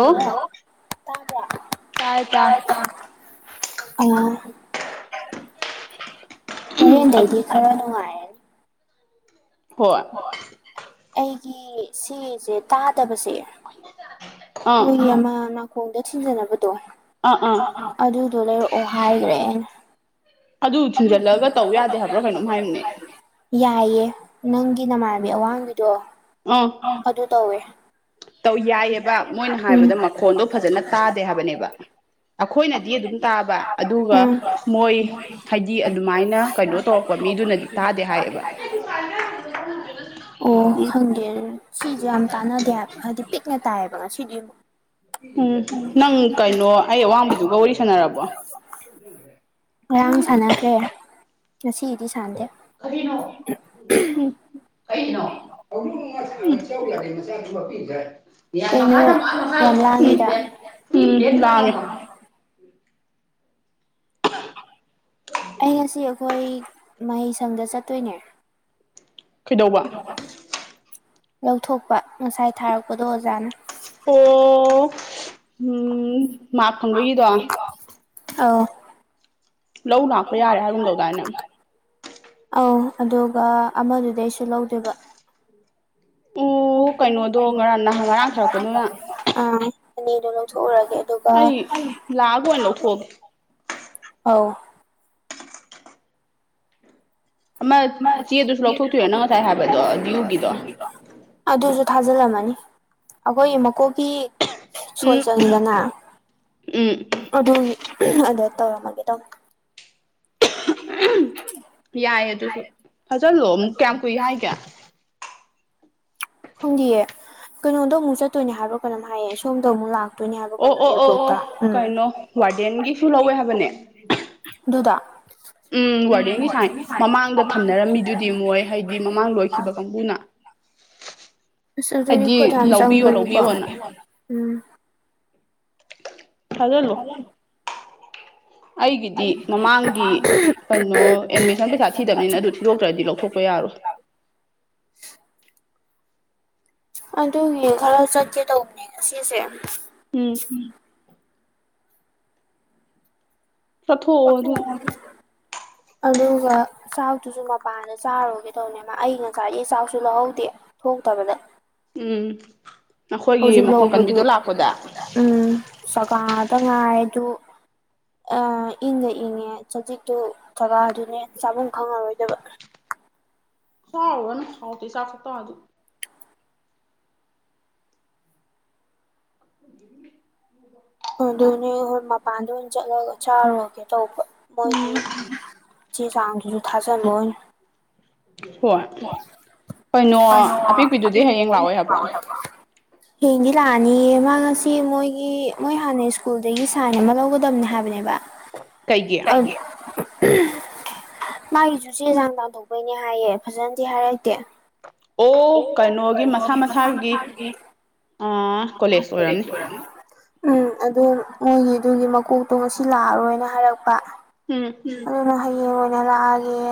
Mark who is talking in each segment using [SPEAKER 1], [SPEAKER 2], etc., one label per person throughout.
[SPEAKER 1] hello
[SPEAKER 2] ꯇꯥꯏ ꯇꯥꯏ
[SPEAKER 1] ꯌꯥꯔꯕꯣ ꯑ
[SPEAKER 2] ꯑꯗꯨ
[SPEAKER 1] ꯍꯣꯔꯦꯟꯗꯩꯩꯗꯤ ꯈꯔ ꯅꯨꯡꯉꯥꯏꯔꯅꯤ
[SPEAKER 2] ꯍꯣꯏ
[SPEAKER 1] ꯑꯩꯒꯤ ꯁꯤꯁꯦ ꯇꯥꯗꯕꯁꯦ
[SPEAKER 2] [unintelligible]
[SPEAKER 1] ꯎꯣꯏꯒꯤ ꯑꯃ ꯅꯀꯣꯡꯗ ꯊꯤꯟꯖꯅꯕ
[SPEAKER 2] ꯑꯥ ꯑꯥ
[SPEAKER 1] ꯑꯗꯨꯗꯣ ꯂꯩꯔꯛꯑꯣ ꯍꯥꯏꯈ꯭ꯔꯦ ꯑꯩꯅ
[SPEAKER 2] ꯑꯗꯨ ꯊꯤꯟꯖꯜꯂꯒ ꯇꯧ ꯌꯥꯗꯦ ꯍꯥꯏꯕ꯭ꯔ ꯀꯩꯅꯣꯝ ꯍꯥꯏꯕꯅꯦ
[SPEAKER 1] ꯌꯥꯏꯌꯦ ꯅꯪꯒꯤ ꯅꯃꯥꯟꯕꯤ ꯑꯋꯥꯡꯕꯤꯗꯣ
[SPEAKER 2] ꯑꯥ
[SPEAKER 1] ꯑꯗꯨ ꯇꯧꯋꯦ
[SPEAKER 2] ꯇꯧ ꯌꯥꯏꯑꯕ ꯃꯣꯏꯅ ꯍꯥꯏꯕꯗ ꯃꯈꯣꯟꯗꯣ ꯐꯖꯅ ꯇꯥꯗꯦ ꯍꯥꯏꯕꯅꯦꯕ ꯑꯩꯈꯣꯏꯅꯗꯤ ꯑꯗꯨꯝ ꯇꯥꯕ ꯑꯗꯨꯒ
[SPEAKER 1] ꯎꯝ ꯎꯝ
[SPEAKER 2] ꯃꯣꯏ ꯍꯥꯏꯗꯤ ꯑꯗꯨꯃꯥꯏꯅ ꯀꯩꯅꯣ ꯇꯧꯔꯛꯄ ꯃꯤꯗꯨꯅꯗꯤ ꯇꯥꯗꯦ ꯍꯥꯏꯌꯦꯕ
[SPEAKER 1] [unintelligible]
[SPEAKER 2] ꯎꯝ
[SPEAKER 1] ꯁꯤꯁꯨꯦ ꯌꯥꯝ ꯇꯥꯟꯅꯗꯦ ꯍꯥꯏꯕ ꯍꯥꯏꯗꯤ ꯄꯤꯛꯅ ꯇꯥꯏꯌꯦꯕ ꯉ ꯁꯤꯗꯤ
[SPEAKER 2] ꯎꯝ ꯅꯪ ꯀꯩꯅꯣ ꯑꯩ ꯑꯋꯥꯡꯕꯤꯗꯨꯒ ꯋꯥꯔꯤ ꯁꯥꯟꯅꯔꯕꯣ
[SPEAKER 1] ꯉꯔꯥꯡ ꯁꯥꯟꯅꯈ꯭ꯔꯦ ꯉꯁꯤꯒꯤꯗꯤ ꯁꯥꯟꯅꯗꯦ
[SPEAKER 2] ꯑꯗꯨꯅꯣꯅꯣ ꯃ ꯆꯧꯛꯑꯗꯤ ꯃꯆꯥꯁꯨꯕꯄꯤꯈ꯭ꯔꯦ
[SPEAKER 1] ꯀꯩꯅꯣ ꯌꯥꯝ ꯂꯥꯡꯉꯤꯗ
[SPEAKER 2] ꯌꯥꯝ ꯂ
[SPEAKER 1] ꯑꯩ ꯉꯁꯤ ꯑꯩꯈꯣꯏ ꯃꯍꯩꯁꯪꯗ ꯆꯠꯇꯣꯏꯅꯦ
[SPEAKER 2] ꯀꯩꯗꯧꯕ
[SPEAKER 1] ꯂꯧꯊꯣꯛꯄ ꯉꯁꯥꯏ ꯊꯥꯔꯛꯄꯗꯣ ꯑꯣꯖꯥꯅ
[SPEAKER 2] ꯑꯦ
[SPEAKER 1] ꯑ
[SPEAKER 2] ꯂꯧ ꯂꯥꯛꯄ ꯌꯥꯔꯦ ꯍꯥꯏꯔꯝꯗꯧꯗꯥꯏꯅ
[SPEAKER 1] ꯑꯧ ꯑꯗꯨꯒ ꯑꯃꯗꯨꯗꯩ ꯑꯩꯁꯨ ꯂꯧꯗꯣꯏꯕ
[SPEAKER 2] ꯑꯣ ꯀꯩꯅꯣꯗꯣ ꯉꯔꯥꯡ ꯅꯍꯥꯟ ꯉꯔꯥꯡ ꯊꯥꯔꯛꯄꯗꯨꯅ
[SPEAKER 1] ꯎꯝꯅꯤꯗꯨꯅ ꯊꯔꯒꯦ
[SPEAKER 2] ꯑꯩ ꯂꯥꯛꯑꯒ ꯑꯣꯏꯅ ꯂꯧꯊꯣꯛꯑꯒꯦ
[SPEAKER 1] ꯑꯥꯎ
[SPEAKER 2] ꯑꯃ
[SPEAKER 1] [unintelligible]
[SPEAKER 2] ꯆꯦꯗꯨꯁꯨ ꯂꯧꯊꯣꯛꯇꯣꯏꯔꯣ ꯅꯪ ꯉꯁꯥꯏ ꯍꯥꯏꯕꯗꯣ ꯗꯤꯌꯨꯒꯤꯗꯣ
[SPEAKER 1] ꯊꯥꯖꯤꯜꯂꯝꯃꯅꯤ ꯑꯩꯈꯣꯏꯒꯤ ꯃꯀꯣꯛꯀꯤ ꯁꯣꯏ
[SPEAKER 2] ꯎꯝ
[SPEAKER 1] ꯆꯪꯉꯤꯗꯅ
[SPEAKER 2] ꯎꯝ
[SPEAKER 1] ꯑꯗꯨꯒꯤ ꯑꯗ ꯇꯧꯔꯝꯃꯒꯦ ꯇꯧꯅꯦ
[SPEAKER 2] ꯌꯥꯏꯌꯦ ꯑꯗꯨꯁꯨ ꯐꯖꯜꯂꯣ ꯀꯌꯥꯝ ꯀꯨꯏ ꯍꯥꯏꯒꯦ
[SPEAKER 1] ꯈꯣꯡꯗꯤꯌꯦ ꯀꯩꯅꯣꯗ ꯑꯃꯨꯛ ꯆꯠꯇꯣꯏꯅꯦ ꯍꯥꯏꯕꯣ ꯀꯩꯅꯣꯝ ꯍꯥꯏꯌꯦ ꯁꯣꯝꯗ ꯑꯃꯨꯛ ꯂꯥꯛ ꯅꯤ ꯑꯒ ꯀ
[SPEAKER 2] ꯑꯣ ꯑꯣ ꯑꯣ
[SPEAKER 1] ꯑꯦꯕꯨꯛ ꯇ
[SPEAKER 2] ꯑꯣ
[SPEAKER 1] ꯎꯝ
[SPEAKER 2] ꯀꯩꯅꯣ ꯋꯥꯔꯗꯦꯟꯒꯤꯁꯨ ꯂꯧꯋꯦ ꯍꯥꯏꯕꯅꯦ
[SPEAKER 1] ꯑꯗꯨꯗꯨꯗꯥ
[SPEAKER 2] ꯎꯝ ꯋꯥꯔꯗꯦꯟꯒꯤ ꯁꯥꯏ ꯃꯃꯥꯡꯗ ꯊꯝꯅꯔꯝꯃꯤꯗꯨꯗꯤ ꯃꯣꯏ ꯍꯥꯏꯗꯤ ꯃꯃꯥꯡ ꯂꯣꯏꯈꯤꯕ ꯀꯥꯡꯕꯨꯅ
[SPEAKER 1] ꯑꯁ ꯑꯗꯨꯔꯤ
[SPEAKER 2] ꯍꯥꯏꯗꯤ
[SPEAKER 1] ꯈꯣ ꯌꯥꯝꯅ
[SPEAKER 2] ꯂꯧꯕꯤꯌꯣ
[SPEAKER 1] ꯆꯪꯗꯣꯔꯤꯀꯣ
[SPEAKER 2] ꯂꯧꯕꯤꯌꯣꯅ
[SPEAKER 1] ꯎꯝ
[SPEAKER 2] ꯊꯖꯂꯣ ꯑꯩꯒꯤꯗꯤ ꯃꯃꯥꯡꯒꯤ ꯀꯩꯅꯣ ꯑꯦꯠꯃꯤꯁꯟ ꯄꯩꯁꯥ ꯊꯤꯗꯕꯅꯤꯅ ꯑꯗꯨ ꯊꯤꯗꯣꯛꯇ꯭ꯔꯗꯤ ꯂꯧꯊꯣꯛꯄ ꯌꯥꯔꯣꯏ
[SPEAKER 1] [inaudible] ꯑꯗꯨꯒꯤ ꯈꯔ ꯆꯠꯀꯦ ꯇꯧꯕꯅꯦ ꯉꯁꯤꯁꯦ
[SPEAKER 2] ꯎꯝ
[SPEAKER 1] ꯑ
[SPEAKER 2] ꯆꯠꯊꯣꯛꯑꯣ ꯑꯗꯨ
[SPEAKER 1] ꯑꯗꯨꯒ ꯆꯥꯛꯇꯨꯁꯨ ꯃꯄꯥꯟꯗ ꯆꯥꯔꯨꯒꯦ ꯇꯧꯕꯅꯦꯕ ꯑꯩ ꯉꯁꯥꯏꯔꯤ ꯆꯥꯛꯁꯨ ꯂꯧꯍꯧꯗꯦ ꯊꯣꯛ ꯇꯥꯕꯅꯦ
[SPEAKER 2] ꯎꯝ ꯑꯩꯈꯣꯏꯒꯤ
[SPEAKER 1] ꯍꯧꯖꯤꯛ
[SPEAKER 2] ꯃꯈꯣꯟ
[SPEAKER 1] ꯂꯧꯕꯗꯨ
[SPEAKER 2] ꯀꯟꯕꯤꯗꯣ ꯂꯥꯛꯄꯗ
[SPEAKER 1] ꯎꯝ ꯆꯀꯥꯗ ꯉꯥꯏ ꯑꯗꯨ ꯑ ꯏꯪꯗ ꯏꯪꯉꯦ ꯆꯖꯤꯛꯇꯨ ꯊꯒꯥꯗꯨꯅꯦ ꯆꯥꯐꯝꯨꯝ ꯈꯪꯉꯔꯣꯏꯗꯕ
[SPEAKER 2] ꯈꯥꯎꯑꯣꯅ ꯈꯥꯎ ꯇ ꯆꯈ ꯊꯗ [inaudible]
[SPEAKER 1] ꯑꯗꯨꯅꯦ ꯍꯣꯏ ꯃꯄꯥꯟꯗ ꯑꯣꯏꯅ ꯆꯠꯂꯒ ꯆꯥꯔꯨꯔꯒꯦ ꯇꯧꯕ
[SPEAKER 2] ꯎꯝ
[SPEAKER 1] ꯃꯣꯏꯒꯤ ꯆꯦ ꯆꯥꯡꯗꯨꯁꯨ ꯊꯥꯖꯜꯂꯣꯏ
[SPEAKER 2] ꯍꯣꯏ
[SPEAKER 1] ꯍ ꯀꯩꯅꯣ
[SPEAKER 2] ꯑꯄꯤꯛꯄꯤꯗꯨꯗꯤ ꯍꯌꯦꯡ
[SPEAKER 1] ꯑꯗꯨꯒꯤꯗꯨꯗꯤ
[SPEAKER 2] ꯂꯥꯛꯑꯣꯏ
[SPEAKER 1] ꯍꯌꯦꯌꯦꯡ
[SPEAKER 2] ꯍꯥꯏꯕ꯭ꯔꯣ
[SPEAKER 1] ꯐꯥꯎꯋꯦ ꯍꯥꯏꯕ ꯍꯦꯡꯗꯤ ꯂꯥꯛꯑꯅꯤꯌꯦ ꯃꯥ ꯉꯁꯤ ꯃꯣꯏꯒꯤ ꯃꯣꯏ ꯍꯥꯟꯅ ꯁ꯭ꯀꯨꯜꯗꯒꯤ ꯁꯥꯏꯟ ꯑꯃ ꯂꯧꯒꯗꯕꯅꯦ ꯍꯥꯏꯕꯅꯦꯕ
[SPEAKER 2] ꯀꯩ ꯀꯌꯥ
[SPEAKER 1] ꯃꯥꯒꯤꯁꯨ ꯆꯦ ꯆꯥꯡ ꯇꯥꯟꯊꯣꯛꯄꯩꯅꯦ ꯍꯥꯏꯌꯦ ꯐꯖꯅꯗꯤ ꯍꯥꯏꯔꯇꯦ ꯑꯣ ꯀꯩꯅꯣꯒꯤ ꯃꯁꯥ ꯃꯁꯥꯒꯤ
[SPEAKER 2] ꯀꯣꯂꯦꯖ ꯑꯣꯏꯔꯝꯅꯤ
[SPEAKER 1] ꯎꯝ ꯑꯗꯨꯗ ꯃꯣꯏꯒꯤ ꯑꯗꯨꯒꯤ ꯃꯀꯣꯛꯇꯣ ꯉꯁꯤ ꯂꯥꯛꯑꯔꯣꯏꯅ ꯍꯥꯏꯔꯛꯄ ꯎ
[SPEAKER 2] ꯎꯝ
[SPEAKER 1] ꯑꯗꯨꯅ ꯍꯌꯦꯡ ꯂꯑꯒꯦ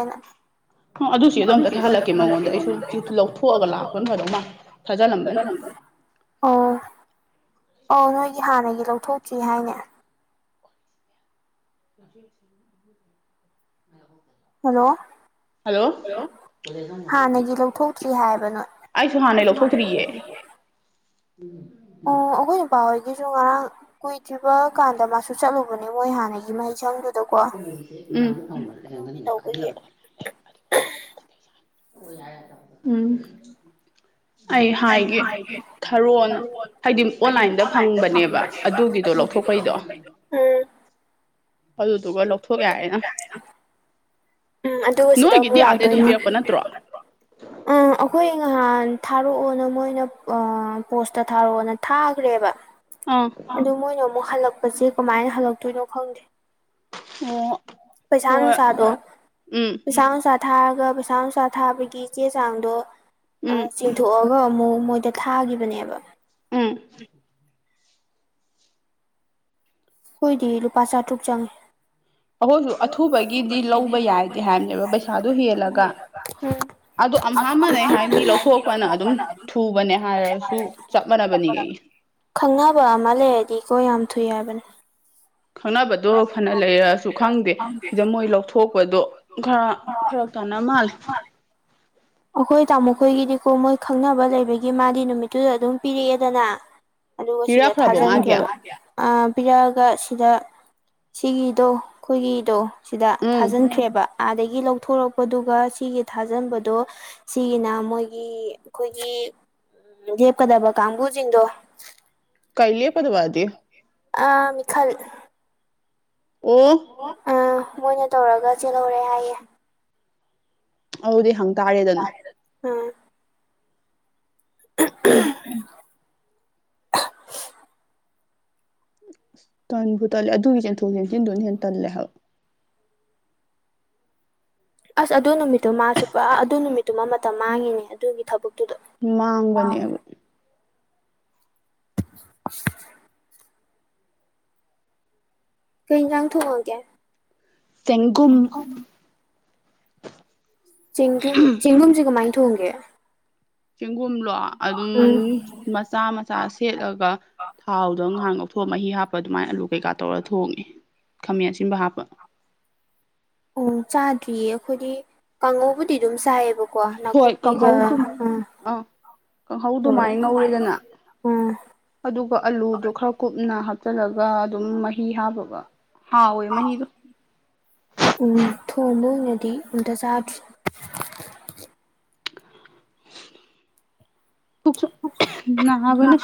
[SPEAKER 2] ꯑꯗꯨꯁꯨ ꯑꯗꯨꯗꯣꯝꯇ ꯊꯥꯍꯜꯂꯛꯀꯦ ꯃꯉꯣꯟꯗ ꯑꯩꯁꯨ ꯂꯧꯊꯣꯛꯑꯒ ꯂꯥꯛꯄ ꯃꯗꯃ ꯊꯥꯖꯤꯜꯂꯝꯕꯅꯤ
[SPEAKER 1] ꯑꯣ ꯑ ꯅꯣꯏꯒꯤ ꯍꯥꯟꯅꯒꯤ ꯂꯧꯊꯣꯛꯇ꯭ꯔꯤ ꯍꯥꯏꯅꯦ
[SPEAKER 2] ꯎ
[SPEAKER 1] ꯍꯜꯂꯣ
[SPEAKER 2] ꯍꯜꯂꯣ
[SPEAKER 1] ꯍꯥꯟꯅꯒꯤ ꯂꯧꯊꯣꯛꯇ꯭ꯔꯤ ꯍꯥꯏꯕꯅꯣ
[SPEAKER 2] ꯑꯩꯁꯨ ꯍꯥꯟꯅꯩ ꯂꯧꯊꯣꯛꯇ꯭ꯔꯤꯌꯦ
[SPEAKER 1] ꯑꯣ ꯑꯣꯈꯣꯏꯅꯄꯥ ꯑꯣꯏ ꯒꯤꯁꯨ ꯉꯔꯥꯡ ꯀꯨꯏꯗ꯭ꯔꯤꯕ ꯀꯥꯟꯗ ꯃꯥꯁꯨ ꯆꯠꯂꯨꯕꯅꯦ ꯃꯣꯏ ꯍꯥꯟꯅꯒꯤ ꯃꯍꯩꯁꯪꯗꯨ ꯀꯣ
[SPEAKER 2] ꯀꯣꯃꯦꯗꯤꯁꯦ ꯃꯌꯥꯝꯗ
[SPEAKER 1] ꯎ
[SPEAKER 2] ꯐꯪꯕ
[SPEAKER 1] ꯑꯗꯨꯝꯒꯤ
[SPEAKER 2] ꯂꯩꯔꯝꯒꯅꯤ
[SPEAKER 1] ꯇꯧꯕꯒꯤ
[SPEAKER 2] ꯈꯜꯂꯒ ꯎꯝ ꯑꯩ
[SPEAKER 1] ꯑ
[SPEAKER 2] ꯍꯥꯏꯒꯦ
[SPEAKER 1] ꯍꯥꯏꯦ ꯈꯔꯣ ꯍꯥꯏꯗꯤ ꯑꯣꯟꯂꯥꯏꯟꯗ ꯐꯪꯕꯅꯦꯕ ꯑꯗꯨꯒꯤꯗꯣ ꯂꯧꯊꯣꯛꯄꯩꯗꯣ
[SPEAKER 2] ꯑꯗꯨꯗꯨꯒ ꯂꯧꯊꯣꯛꯀꯦ ꯍꯥꯏꯔꯦꯅ
[SPEAKER 1] ꯎꯝ ꯑꯗꯨꯒ ꯁꯤꯗ ꯑꯃꯨꯛ ꯂꯥꯛꯇꯣꯏ
[SPEAKER 2] ꯅꯠꯇ꯭ꯔꯣ
[SPEAKER 1] ꯑꯝ ꯑꯩꯈꯣꯏ ꯅꯍꯥꯟ ꯊꯥꯔꯛꯑꯣꯅ ꯃꯣꯏꯅ ꯄꯣꯁꯇ ꯊꯥꯔꯛꯑꯣꯅ ꯊꯥꯈ꯭ꯔꯦꯕ
[SPEAKER 2] ꯑꯥ
[SPEAKER 1] ꯑꯗꯨ ꯃꯣꯏꯅ ꯑꯃꯨꯛ ꯍꯜꯂꯛꯄꯁꯦ ꯀꯃꯥꯏꯅ ꯍꯜꯂꯛꯇꯣꯏꯅꯣ ꯈꯪꯗꯦ
[SPEAKER 2] ꯑꯣ
[SPEAKER 1] ꯄꯩꯁꯥꯅꯅꯨꯡ
[SPEAKER 2] ꯍꯣꯏ
[SPEAKER 1] ꯁꯥꯗꯣ
[SPEAKER 2] ꯎꯝ
[SPEAKER 1] ꯄꯩꯁꯥꯨ ꯁꯥꯗ ꯊꯥꯔꯒ ꯄꯩꯁꯥ ꯅꯨꯡꯁꯥ ꯊꯥꯕꯒꯤ ꯆꯦ ꯆꯥꯡꯗꯣ
[SPEAKER 2] ꯎꯝ
[SPEAKER 1] ꯆꯤꯡꯊꯣꯛꯑꯒ ꯑꯃꯨꯛ ꯃꯣꯏꯗ ꯊꯥꯒꯤꯈꯤꯕꯅꯦꯕ
[SPEAKER 2] ꯎꯝ
[SPEAKER 1] ꯑꯩꯈꯣꯏꯗꯤ ꯂꯨꯄꯥ ꯆꯥꯇ꯭ꯔꯨꯛ ꯆꯪꯉꯦ
[SPEAKER 2] ꯑꯩꯈꯣꯏꯁꯨ
[SPEAKER 1] [inaudible] ꯑ
[SPEAKER 2] ꯑꯊꯨꯕꯒꯤꯗꯤ ꯂꯧꯕ ꯌꯥꯏꯗꯤ ꯍꯥꯏꯕꯅꯦꯕ ꯄꯩꯁꯥꯗꯣ ꯍꯦꯜꯂꯒ ꯑꯗꯣ ꯑꯝꯍꯥ ꯃꯥꯟꯅꯩ
[SPEAKER 1] ꯂꯧꯊꯅ
[SPEAKER 2] ꯍꯥꯏ ꯃꯤ ꯂꯧꯊꯣꯛꯄꯅ ꯑꯗꯨꯝ ꯊꯨꯕꯅꯦ ꯍꯥꯏꯔꯁꯨ ꯆꯞ ꯃꯥꯟꯅꯕꯅꯤ
[SPEAKER 1] ꯑꯗꯨꯔꯗꯤ ꯈꯪꯅꯕ ꯑꯃ ꯂꯩꯔꯗꯤꯀꯣ ꯌꯥꯝ ꯊꯨꯏ ꯍꯥꯏꯕꯅꯦ
[SPEAKER 2] ꯈꯪꯅꯕꯗꯣ ꯐꯅ ꯂꯩꯔꯑꯁꯨ ꯈꯪꯗꯦ ꯁꯤꯤꯗ ꯃꯣꯏ ꯂꯧꯊꯣꯛꯄꯗꯣ ꯈꯔ ꯈꯔ ꯁꯣꯅꯃꯜ
[SPEAKER 1] ꯑꯩꯈꯣꯏ ꯇꯥꯃꯣ ꯈꯣꯏꯒꯤꯗꯤꯀꯣ ꯃꯣꯏ ꯈꯪꯅꯕ ꯂꯩꯕꯒꯤ ꯃꯥꯗꯤ ꯅꯨꯃꯤꯠꯇꯨꯗ ꯑꯗꯨꯝ ꯄꯤꯔꯛꯑꯦꯗꯅ ꯑꯗꯨꯨꯒꯣꯁꯤꯔ
[SPEAKER 2] ꯄꯤꯔꯛꯈ꯭ꯔꯕꯣ
[SPEAKER 1] ꯊꯥꯖꯅꯤ
[SPEAKER 2] ꯃꯥꯒꯤ
[SPEAKER 1] ꯈ꯭ꯔꯕ ꯄꯤꯔꯛꯑꯒ ꯁꯤꯗ ꯁꯤꯒꯤꯗꯣ ꯑꯩꯈꯣꯏꯒꯤꯗꯣ ꯁꯤꯗ
[SPEAKER 2] ꯎꯝ
[SPEAKER 1] ꯊꯥꯖꯤꯟꯈ꯭ꯔꯦꯕ ꯑꯥꯗꯒꯤ ꯂꯧꯊꯣꯔꯛꯄꯗꯨꯒ ꯁꯤꯒꯤ ꯊꯥꯖꯤꯟꯕꯗꯣ ꯁꯤꯒꯤꯅ ꯃꯣꯏꯒꯤ ꯑꯩꯈꯣꯏꯒꯤ ꯗꯦ ꯀꯗꯥꯕ ꯀꯥꯕꯨꯕꯨꯖꯤ ꯏꯗꯣ
[SPEAKER 2] ꯀꯥꯏꯦ ꯄꯗꯨꯋꯥꯗꯦ
[SPEAKER 1] ꯑ ꯃꯤꯈꯜ
[SPEAKER 2] ꯑꯣ
[SPEAKER 1] ꯑꯥ ꯃꯣꯏꯅ ꯇꯧꯔꯒ ꯆꯦꯜꯍꯧꯔꯦ ꯍꯥꯏꯌꯦ
[SPEAKER 2] ꯑꯗꯨꯗꯤ ꯍꯪꯇꯥꯔꯦꯗꯅ
[SPEAKER 1] ꯎꯝ [inaudible]
[SPEAKER 2] ꯇꯟꯕꯨ ꯇꯜꯂꯦ ꯑꯗꯨꯒꯤ ꯆꯦꯟꯊꯣꯛ ꯆꯦꯟꯁꯤꯟꯗꯨꯅ ꯍꯦꯟ ꯇꯜꯂꯦ ꯍꯥꯏꯕ
[SPEAKER 1] ꯑꯁ ꯑꯗꯨ ꯅꯨꯃꯤꯠꯇꯨ ꯃꯥꯁꯨ ꯄꯨꯔꯥ ꯑꯗꯨ ꯅꯨꯃꯤꯠꯇꯨꯃ ꯃꯇꯝ ꯃꯥꯡꯉꯤꯅꯦ ꯑꯗꯨꯒꯤ ꯊꯕꯛꯇ
[SPEAKER 2] ꯃꯥꯡꯒꯕꯅꯤꯕ
[SPEAKER 1] [inaudible] ꯀꯩ ꯏꯟꯖꯥꯡ ꯊꯣꯡꯉꯒꯦ
[SPEAKER 2] ꯆꯦꯡꯒꯨꯝ
[SPEAKER 1] ꯆꯦꯡꯒꯨꯝ ꯆꯦꯡꯒꯨꯝꯁꯦ ꯀꯃꯥꯏ ꯊꯣꯡꯒꯦ
[SPEAKER 2] ꯆꯦꯡꯒꯨꯝꯂꯣ ꯑꯗꯨꯝ
[SPEAKER 1] ꯎꯝ
[SPEAKER 2] ꯃꯆꯥ ꯃꯆꯥ ꯁꯦꯠꯂꯒ ꯊꯥꯎꯗꯣ ꯉꯥꯏꯍꯥꯛ ꯉꯊꯣꯛ ꯑꯥ ꯃꯍꯤ ꯍꯥꯞ ꯑꯗꯨꯃꯥꯏꯅ ꯑꯂꯨ ꯀꯩꯀꯥ ꯇꯧꯔ ꯊꯣꯡꯉꯦ ꯈꯥꯃꯦꯟ ꯑꯁꯤꯟꯕ ꯍꯥꯞꯄ
[SPEAKER 1] ꯑꫭ ꯆꯥꯗ꯭ꯔꯤꯌꯦ ꯑꯩꯈꯣꯏꯗꯤ ꯀꯥꯡꯉꯧꯕꯕꯨꯗꯤ ꯑꯗꯨꯝ ꯆꯥꯏ ꯣ ꯅ
[SPEAKER 2] ꯍꯣꯏ
[SPEAKER 1] ꯀꯨꯞꯄꯤꯤꯒ
[SPEAKER 2] ꯀꯥꯡꯍꯧꯗꯨ
[SPEAKER 1] ꯎ
[SPEAKER 2] ꯑꯥ ꯀꯥꯡꯍꯧ ꯑꯗꯨꯃꯥꯏꯅ ꯉꯧꯔꯤꯦꯗꯅ
[SPEAKER 1] ꯑꯥ
[SPEAKER 2] ꯑꯗꯨꯒ ꯑꯂꯨꯗꯣ ꯈꯔ ꯀꯨꯞꯅ ꯆꯠꯂꯒ ꯑꯗꯨꯝ ꯃꯍꯤ ꯍꯥꯞꯕꯒ ꯍꯥꯎꯋꯦ ꯃꯍꯤꯗꯣ
[SPEAKER 1] ꯊꯣꯡꯉꯨꯅꯗꯤ ꯎꯗ ꯁꯥ
[SPEAKER 2] ꯇꯁꯨ ꯅꯕꯅꯨ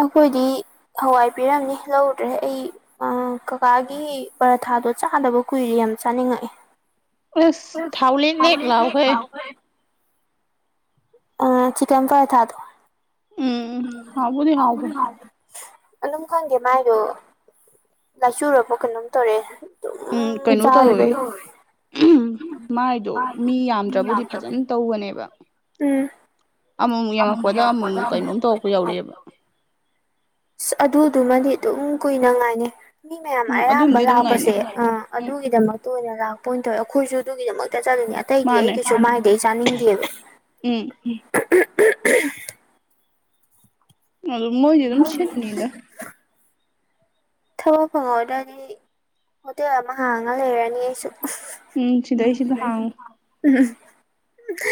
[SPEAKER 1] ꯑꯩꯈꯣꯏꯗꯤ ꯍꯋꯥꯏ ꯄꯤꯔꯝꯅꯤ ꯂꯧꯗ꯭ꯔꯦ ꯑꯩ ꯀꯀꯥꯒꯤꯔ ꯊꯥꯗꯣ ꯆꯥꯗꯕ ꯀꯨꯏꯔ ꯌꯥꯝ ꯆꯥꯅꯤꯡꯉꯛꯏꯦ ꯍ
[SPEAKER 2] ꯑꯁ ꯊꯥꯎ ꯂꯦꯛ ꯂꯦꯛ
[SPEAKER 1] ꯊꯥꯎꯅꯤꯅꯦ
[SPEAKER 2] ꯂꯥꯎꯈꯩ
[SPEAKER 1] ꯂꯕꯦ ꯑ ꯆꯛꯟ ꯐ꯭ꯔꯥꯏ ꯊꯥꯗ
[SPEAKER 2] ꯎꯝ ꯍꯥꯎꯕꯨꯗꯤ ꯍꯥꯎꯕꯅꯤ
[SPEAKER 1] ꯑꯗꯨꯝ ꯈꯪꯗꯦ ꯃꯥꯏꯗꯣ ꯂꯥꯏꯆꯨꯔꯕ ꯀꯩꯅꯣꯝ ꯇꯧꯔꯑꯦ ꯎꯝ
[SPEAKER 2] ꯀꯩꯅꯣ
[SPEAKER 1] ꯆꯜꯩ
[SPEAKER 2] ꯇꯧꯋꯦ ꯃꯥꯏꯗꯣ ꯃꯤ ꯌꯥꯝꯗ꯭ꯔꯕꯨꯗꯤ ꯐꯖꯅ ꯇꯧꯕꯅꯦꯕ ꯑꯃꯃꯨꯛ ꯌꯥꯝꯉꯛꯄꯗ ꯑꯃꯨꯃꯨꯛ ꯀꯩꯅꯣꯝ ꯇꯧꯔꯛꯄ ꯌꯥꯎꯔꯛꯑꯦꯕ
[SPEAKER 1] ꯑ ꯑꯗꯨꯗꯨꯃꯗꯤ ꯑꯗꯨꯝ ꯀꯨꯏꯅꯉꯥꯏꯅꯤ ꯃꯤ ꯃꯌꯥꯝ
[SPEAKER 2] ꯎꯝ
[SPEAKER 1] ꯑꯌꯥꯝꯕ
[SPEAKER 2] ꯑꯗꯨꯝꯗꯤ ꯑꯗꯨꯝ
[SPEAKER 1] ꯂꯥꯛꯄꯁꯦ
[SPEAKER 2] ꯉꯥꯏꯅꯩ
[SPEAKER 1] ꯑ
[SPEAKER 2] ꯎꯝ
[SPEAKER 1] ꯑꯗꯨꯒꯤꯗꯃꯛꯇ ꯑꯣꯏꯅ ꯂꯥꯛꯄ ꯑꯣꯏꯅ ꯇꯧꯋꯦ ꯑꯩꯈꯣꯏꯁꯨ ꯑꯗꯨꯒꯤꯗꯃꯛꯇ ꯍꯦꯛꯇ ꯆꯠꯂꯅꯦ ꯑꯇꯩꯗꯤ ꯑꯩ
[SPEAKER 2] ꯃꯥꯅꯦ
[SPEAKER 1] ꯀꯩꯁꯨ ꯃꯥꯏꯗꯤ ꯑꯩ ꯆꯥꯅꯤꯡꯗꯦꯕ
[SPEAKER 2] ꯎꯝ ꯑꯗꯨ ꯃꯣꯏ ꯑꯗꯨꯝ ꯁꯠꯅꯤꯗ
[SPEAKER 1] ꯊꯕꯛ ꯐꯪꯉꯧꯗ꯭ꯔꯗꯤ ꯍꯣꯇꯦꯜ ꯑꯃ ꯍꯥꯡꯉ ꯂꯩꯔꯅꯤ ꯑꯩꯁꯨ ꯎ ꯎꯝ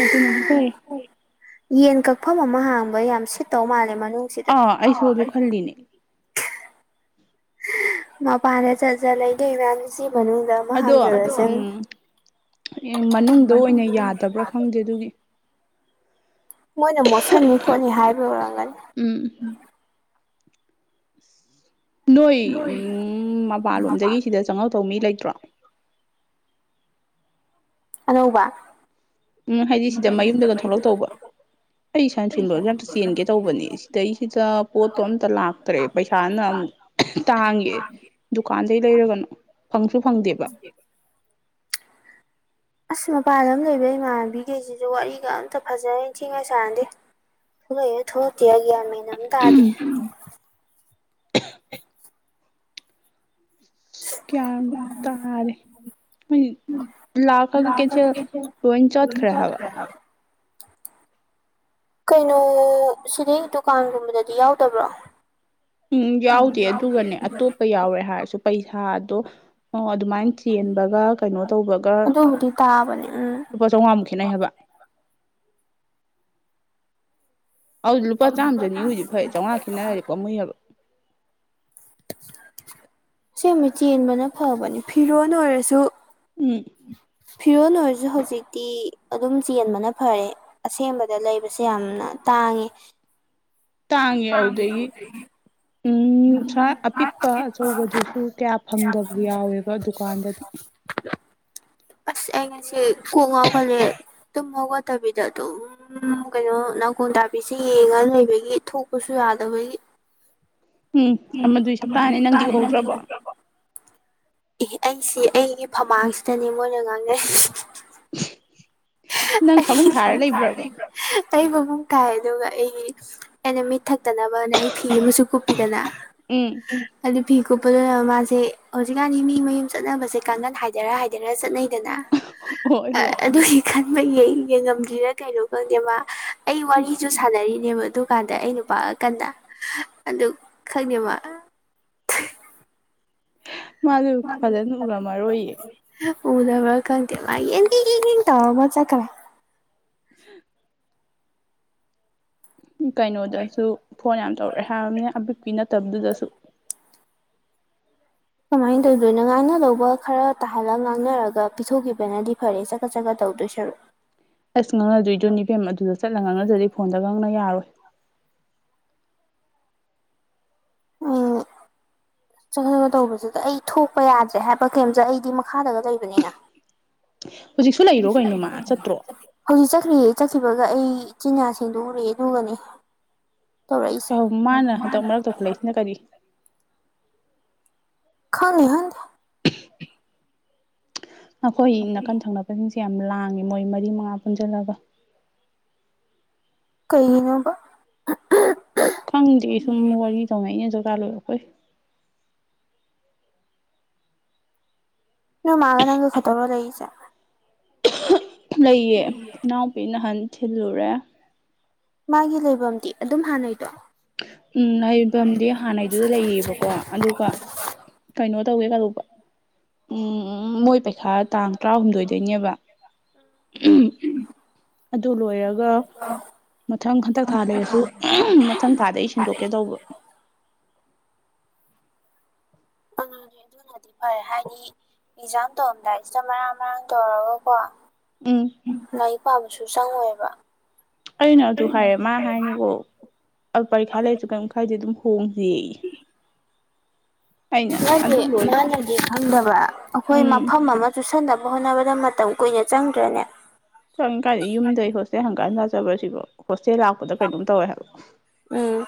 [SPEAKER 2] ꯑꯗꯨ ꯑꯗꯨ ꯅꯗꯤ ꯄꯥꯏ
[SPEAKER 1] ꯌꯦꯟ ꯀꯛꯐꯝ ꯑꯃ ꯍꯥꯡꯕ ꯌꯥꯝ ꯁꯤꯠꯇꯧ ꯃꯥꯜꯂꯦ ꯃꯅꯨꯡꯁꯤꯗ
[SPEAKER 2] ꯑꯥ ꯑꯩꯁꯨ ꯑꯗꯨ ꯈꯜꯂꯤꯅꯦ
[SPEAKER 1] ꯃꯄꯥꯟꯗ ꯆꯠꯆ ꯂꯩꯇꯩꯩ ꯃꯌꯥꯝꯁꯤ ꯃꯅꯨꯡꯗ ꯑꯃꯨ
[SPEAKER 2] ꯑꯗꯣ
[SPEAKER 1] ꯍꯥꯡꯖꯂꯁꯪ
[SPEAKER 2] ꯎꯝ ꯃꯅꯨꯡꯗ ꯑꯣꯏꯅ ꯌꯥꯗꯕ꯭ꯔꯥ ꯈꯪꯗꯦ ꯑꯗꯨꯒꯤ
[SPEAKER 1] ꯃꯣꯏꯅ ꯃꯣꯠꯁꯟꯅꯤ ꯈꯣꯠꯅꯤ ꯍꯥꯏꯕ ꯑꯣꯏꯔꯝꯒꯅꯤ
[SPEAKER 2] ꯎꯝ ꯅꯣꯏ ꯎꯝ ꯃꯄꯜꯂꯣꯝꯗꯒꯤ ꯁꯤꯗ ꯆꯪꯉꯧ ꯇꯧ ꯃꯤ ꯂꯩꯇ꯭ꯔꯣ
[SPEAKER 1] ꯑꯅꯧꯕ
[SPEAKER 2] ꯎꯝ ꯍꯥꯏꯗꯤ ꯁꯤꯗ ꯃꯌꯨꯝꯗꯒ ꯊꯣꯛꯂꯛꯇꯧꯕ ꯑꯩ ꯁꯥꯏꯅꯊꯜ ꯂꯣꯏꯔꯒ ꯑꯝꯇ ꯆꯦꯟꯒꯦ ꯇꯧꯕꯅꯦ ꯁꯤꯗꯩꯁꯤꯗ ꯄꯣꯠꯇꯣ ꯑꯝꯇ ꯂꯥꯛꯇ꯭ꯔꯦ ꯄꯩꯁꯥꯅ ꯑꯃꯨꯛ ꯇꯥꯡꯉꯦ ꯗꯨꯀꯥꯟꯗꯩ ꯂꯩꯔꯒꯅꯣ ꯐꯪꯁꯨ ꯐꯪꯗꯦꯕ
[SPEAKER 1] ꯑꯁ ꯃꯄꯥꯟ ꯑꯃ ꯂꯩꯕ ꯏꯃꯥꯗꯤ ꯀꯦꯁꯤꯁꯨ ꯋꯥꯔꯤꯒ ꯑꯝꯇ ꯐꯖꯔ ꯏ ꯊꯤꯉ ꯆꯅꯗꯦ ꯊꯣꯛꯂꯛꯏ ꯊꯣꯛꯂꯛꯇꯦ ꯍꯥꯏꯒꯃꯤꯅ ꯗꯗ
[SPEAKER 2] ꯀꯌꯥ ꯇꯥꯔꯦ ꯂꯥꯛꯒ ꯀꯁ ꯕꯣꯏ ꯆꯠ ꯈꯔꯦ ꯍꯥꯕ
[SPEAKER 1] ꯀꯩꯅꯣ ꯁꯤꯗꯤꯩ ꯗꯨꯀꯥꯟꯒꯨꯝꯕꯗꯗꯤ ꯌꯥꯎꯗꯕ꯭ꯔꯣ
[SPEAKER 2] ꯎꯝ ꯌꯥꯎꯗꯦ ꯑꯗꯨꯒꯅꯦ ꯑꯇꯣꯞꯄ ꯌꯥꯎꯔꯦ ꯍꯥꯏꯔꯁꯨ ꯄꯩꯁꯥꯗꯣ ꯑꯣ ꯑꯗꯨꯃꯥꯏꯅ ꯆꯦꯟꯕꯒ ꯀꯩꯅꯣ ꯇꯧꯕꯒ
[SPEAKER 1] ꯑꯗꯨꯕꯨꯗꯤ ꯇꯥꯕꯅꯦ ꯎꯝ
[SPEAKER 2] ꯂꯨꯄꯥ ꯆꯥꯝꯃꯉꯥꯃꯨꯛ ꯈꯦꯠꯅꯩ ꯍꯥꯏꯕ ꯑꯗꯨꯗꯤ ꯂꯨꯄꯥ ꯆꯥꯝꯃ ꯆꯅꯤ ꯍꯧꯖꯤꯗꯤ ꯐꯔꯦ ꯆꯥꯝꯃꯉꯥ ꯈꯦꯠꯅꯔꯦꯀꯣ ꯃꯨꯣꯏ ꯍꯥꯏꯕ
[SPEAKER 1] ꯁꯦꯝꯃꯤ ꯆꯦꯟꯕꯅ ꯐꯕꯅꯤ ꯐꯤꯔꯣꯜ ꯑꯣꯏꯔꯁꯨ
[SPEAKER 2] ꯏ
[SPEAKER 1] ꯐꯤꯔꯣꯜ ꯑꯣꯏꯔꯁꯨ ꯍꯧꯖꯤꯛꯇꯤ ꯑꯗꯨꯝ ꯆꯦꯟꯕꯅ ꯐꯔꯦ ꯑꯁꯦꯡꯕꯗ ꯂꯩꯕꯁꯦ ꯌꯥꯝꯅ ꯇꯥꯡꯉꯦ
[SPEAKER 2] ꯇꯥꯡꯉꯦ ꯑꯗꯨꯗꯒꯤ
[SPEAKER 1] ꯎ
[SPEAKER 2] ꯎꯝ ꯁꯥ ꯑꯄꯤꯛꯄ ꯑꯆꯧꯕꯗꯨꯁꯨ ꯀꯌꯥ ꯐꯪꯗꯕ ꯌꯥꯎꯋꯦꯕ ꯗꯨꯀꯥꯟꯗꯗꯤ
[SPEAKER 1] ꯑꯁ ꯑꯩ ꯉꯁꯤꯦ ꯀꯣꯛ ꯉꯥꯎꯒꯠꯂꯦ ꯑꯗꯨꯝ ꯉꯥꯎꯒꯠꯇꯕꯤꯗ ꯑꯗꯨꯝ ꯀꯩꯅꯣ ꯅꯈꯣꯟ ꯇꯥꯄꯤꯁꯤ ꯌꯦꯡꯉꯒ ꯂꯩꯕꯒꯤ ꯊꯣꯛꯄꯁꯨ ꯌꯥꯗꯕꯒꯤ
[SPEAKER 2] ꯎꯝ ꯑꯃꯗꯨꯏ ꯁꯛꯇꯥꯅꯦ ꯅꯪꯗꯤ
[SPEAKER 1] ꯎꯝ
[SPEAKER 2] ꯎꯍꯧꯗ꯭ꯔꯕꯣ
[SPEAKER 1] [unintelligible] ꯑꯩꯁꯤ ꯑꯩꯒꯤ ꯐꯃꯥꯡꯁꯤꯗꯅꯦ ꯃꯣꯏꯅ ꯉꯥꯡꯅꯩ
[SPEAKER 2] ꯅꯪ ꯐꯃꯨꯡ ꯊꯥꯔ ꯂꯩꯕ꯭ꯔꯕ
[SPEAKER 1] ꯑꯩ ꯇꯕ ꯃ ꯇꯥꯏ ꯑꯗꯨꯒ ꯑꯩꯒꯤ ꯑꯩꯅ ꯃꯤꯠ ꯊꯛꯇꯅꯕꯅ ꯑꯩ ꯐꯤ ꯑꯃꯁꯨ ꯀꯨꯞꯄꯤ
[SPEAKER 2] ꯎꯝ
[SPEAKER 1] ꯑꯗꯤ ꯀꯨ ꯄꯂꯃꯁꯦ ꯍꯧꯖꯤꯛꯀꯥꯟꯗꯤ ꯃꯤ ꯃꯌꯨꯝ ꯆꯠꯅꯕꯁꯦ ꯀꯥꯡꯈꯟ ꯍꯥꯏꯗꯔ ꯍꯥꯏꯗꯔꯥ ꯆꯠꯅꯩꯗꯅ
[SPEAKER 2] ꯍꯣꯏ ꯍꯣꯏ
[SPEAKER 1] ꯑꯗꯨꯒꯤ ꯌꯦꯡꯉꯝꯗꯔꯥ ꯀꯩꯅꯣ ꯈꯛꯅꯦ ꯃꯥ ꯑꯩ ꯋꯥꯔꯤꯁꯨ ꯁꯥꯟꯅꯔꯤꯅꯦꯕ ꯑꯗꯨ ꯀꯥꯟꯗ ꯑꯩ ꯅꯨꯄꯥ ꯀꯟꯗ ꯑꯗꯨ ꯈꯪꯉꯦꯃ
[SPEAKER 2] ꯃꯥꯗꯨ ꯐꯖꯅ ꯎꯔꯝꯃꯔꯣꯏꯌꯦ
[SPEAKER 1] ꯎꯗꯕ ꯀꯇꯦꯂ ꯌꯦꯡ ꯌꯦ ꯌꯦꯡ ꯇꯧ ꯃ ꯆꯀ꯭ꯔ
[SPEAKER 2] [inaudible] ꯀꯩꯅꯣꯗꯁꯨ ꯐꯣꯟ ꯌꯥꯝ ꯇꯧꯔꯛꯑꯦ ꯍꯥꯏꯔꯕꯅꯦ ꯑꯕꯤꯛꯀꯤ ꯅꯠꯇꯕꯗꯨꯗꯁꯨ
[SPEAKER 1] ꯃꯥꯏ ꯀꯃꯥꯏꯅ ꯇꯧꯗꯣꯏꯅꯣ ꯉꯥꯡꯅꯗꯧꯕ ꯈꯔ ꯇꯥꯍꯜꯂꯒ ꯉꯥꯡꯅꯔꯒ ꯄꯤꯊꯣꯛꯈꯤꯕꯅꯗꯤ ꯐꯔꯦ ꯆꯀꯠ ꯆꯠꯀꯠ ꯇꯧꯗꯣꯏ ꯁꯔꯨꯛ
[SPEAKER 2] ꯑꯁ ꯉꯥꯡꯅꯗꯣꯏꯗꯨꯣ ꯅꯤꯕꯦꯝ ꯑꯗꯨꯗ ꯆꯠꯂꯒ ꯉꯥꯡꯅꯖꯗꯤ ꯐꯣꯟꯗ ꯉꯥꯡꯅ ꯌꯥꯔꯣꯏ
[SPEAKER 1] ꯎꯝ ꯆꯪꯉꯒ ꯇꯧꯕꯁꯤꯗ ꯑꯩ ꯊꯣꯛꯄ ꯌꯥꯗ꯭ꯔꯦ ꯍꯥꯏꯕ ꯀꯔꯤꯦꯝꯁꯦ ꯑꯩꯗꯤ ꯃꯈꯥꯗꯒ ꯂꯩꯕꯅꯤꯅ [inaudible]
[SPEAKER 2] ꯍꯧꯖꯤꯛꯁꯨ ꯂꯩꯔꯣ ꯀꯩꯅꯣ ꯃꯥ ꯆꯠꯇ꯭ꯔꯣ
[SPEAKER 1] ꯍꯧꯖꯤ ꯆ ꯀꯔꯤ ꯆꯠꯈꯤꯕꯒ ꯑꯩ ꯏꯆꯤꯟ ꯏꯅꯥꯁꯤꯡꯗꯨ ꯎꯔꯛꯑꯦ ꯑꯗꯨꯒꯅꯤ ꯇꯧꯔꯛꯏꯁꯦ
[SPEAKER 2] ꯃꯥꯅ ꯍꯟꯗꯛ ꯃꯔꯛ ꯇꯧꯈꯠꯂꯛꯏꯁꯤꯅ ꯀꯔꯤ
[SPEAKER 1] ꯈꯩ ꯍꯥꯏꯗꯤ
[SPEAKER 2] [inaudible] ꯑꯩꯈꯣꯏ ꯅꯥꯀꯟ ꯊꯪꯅꯕꯁꯤꯡꯁꯦ ꯌꯥꯝ ꯂꯥꯡꯉꯦ ꯃꯣꯏ ꯃꯔꯤ ꯃꯉꯥ ꯄꯨꯟꯁꯤꯜꯂꯒ
[SPEAKER 1] ꯀꯩꯩꯅꯣꯕ
[SPEAKER 2] ꯈꯪꯗꯦ ꯁꯨꯝ ꯋꯥꯔꯤ ꯇꯧꯉꯩ ꯑꯩꯅ ꯖꯔꯒꯥꯥꯔ ꯂꯣꯏꯔꯛꯈꯣꯏ
[SPEAKER 1] ꯅ ꯃꯥꯒ ꯅ ꯑꯪꯒ ꯈꯇꯔ ꯂꯩꯏꯁ
[SPEAKER 2] ꯂꯩꯌꯦ ꯏꯅꯥꯎꯄꯤ ꯅꯍꯥꯟ ꯊꯤꯜꯂꯨꯔꯦ
[SPEAKER 1] ꯃꯥꯒꯤ ꯂꯩꯐꯝꯗꯤ ꯑꯗꯨꯝ ꯍꯥꯟꯅꯩꯗꯣ
[SPEAKER 2] ꯎꯝ ꯂꯩꯐꯝꯗꯤ ꯍꯥꯟꯅꯩꯗꯨꯗ ꯂꯩꯔꯤꯑꯕꯀꯣ ꯑꯗꯨꯒ ꯀꯩꯅꯣ ꯇꯧꯒꯦ ꯀꯂꯧꯕ ꯎꯝ ꯃꯣꯏ ꯄꯩꯈꯥ ꯇꯥꯡ ꯇꯔꯥꯍꯨꯝꯗꯣꯏꯗꯣꯏꯅꯦꯕ ꯑꯗꯨ ꯂꯣꯏꯔꯒ ꯃꯊꯪ ꯍꯟꯇꯛ ꯊꯥ ꯂꯩꯔꯁꯨ ꯃꯊꯪ ꯊꯥꯗ ꯑꯩ ꯁꯤꯟꯗꯣꯛꯀꯦ ꯇꯧꯕ
[SPEAKER 1] ꯎꯝ ꯑꯗꯨ ꯑꯗꯨꯅꯗꯤ ꯐꯔꯦ ꯍꯥꯏꯗꯤ ꯑꯦꯛꯖꯥꯝ ꯇꯧꯑꯝꯗꯥꯏꯁꯤꯗ ꯃꯔꯥꯡ ꯃꯔꯥꯡ ꯇꯧꯔꯒꯀꯣ
[SPEAKER 2] ꯎꯝ
[SPEAKER 1] ꯂꯥꯏꯔꯤꯛ ꯄꯥꯕꯁꯨ ꯆꯪꯉꯣꯏꯕ
[SPEAKER 2] ꯑꯩꯅ ꯑꯗꯨ ꯍꯥꯏꯔꯦ ꯃꯥ ꯍꯥꯏꯅꯤꯀꯣ ꯄꯔꯤꯈꯥ ꯂꯩꯔꯁꯨ ꯀꯔꯤꯝ ꯃꯈꯥꯏꯗꯤ ꯑꯗꯨꯝ ꯍꯣꯡꯁꯤ ꯌꯦꯏ
[SPEAKER 1] ꯃꯥꯗꯤ ꯃꯥꯅꯗꯤ ꯈꯪꯗꯕ ꯑꯩꯈꯣꯏ
[SPEAKER 2] ꯎꯝ
[SPEAKER 1] ꯃꯐꯝ ꯑꯃ ꯆꯨꯁꯟꯗꯕ ꯅꯕ ꯍꯣꯠꯅꯕꯗ ꯃꯇꯝ ꯀꯨꯏꯅ ꯆꯪꯗ꯭ꯔꯅꯦ
[SPEAKER 2] ꯆꯪꯅꯤ ꯀꯥꯏꯗ ꯌꯨꯝꯗꯩ ꯍꯣꯁꯇꯦꯜ ꯍꯪꯀꯠ ꯍꯟꯒꯠꯆꯕ ꯁꯤꯕꯣ ꯍꯣꯁꯇꯦꯜ ꯂꯥꯛꯄꯗ ꯀꯩꯅꯣꯝ ꯇꯧꯋꯦ ꯍꯥꯏꯕ
[SPEAKER 1] ꯎꯝ